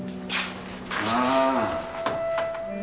ああ。